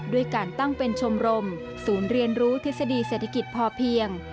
ด้วยการตั้งเป็นชมรมศูนย์เรียนรู้ทฤษฎีเศรษฐกิจพอเพียง